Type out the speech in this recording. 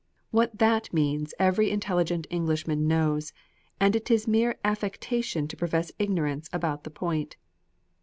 What THAT means every intelligent Englishman knows, and it is mere affectation to profess ignorance about the point.